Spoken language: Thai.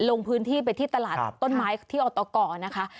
ลงพื้นที่ไปที่ตลาดต้นไม้ที่อตกนะคะ